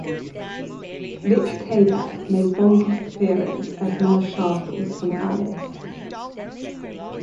Vic Tayback made one guest appearance as Mel Sharples from "Alice".